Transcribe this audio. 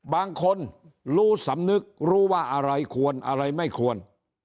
บางคนรู้สำนึกรู้ว่าอะไรควรอะไรไม่ควร